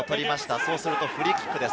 そうするとフリーキックです。